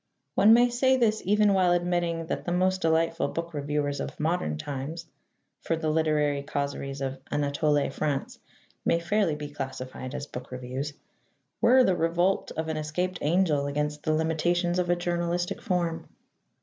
One may say this even while admitting that the most delightful book reviews of modern times for the literary causeries of Anatole France may fairly be classified as book reviews were the revolt of an escaped angel against the limitations of a journalistic form.